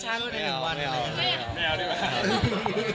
ถ้าจะไปยาอีกมันเจอแบบนี้